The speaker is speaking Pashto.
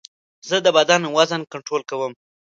زه د بدن وزن کنټرول کوم.